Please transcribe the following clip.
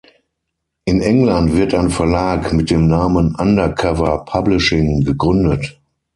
In England wird ein Verlag mit dem Namen Under Cover Publishing gegründet.